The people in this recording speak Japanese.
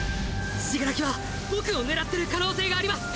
死柄木は僕を狙ってる可能性があります。